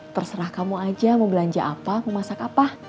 terserah kamu aja mau belanja apa mau masak apa